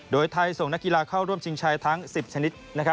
โดยไทยส่งนักกีฬาเข้าร่วมชิงชัยทั้ง๑๐ชนิด